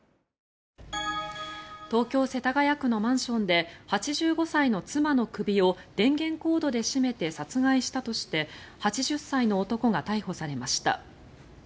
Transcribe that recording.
東京・世田谷区のマンションで８５歳の妻の首を電源コードで絞めて殺害したとして８０歳の男が逮捕されました。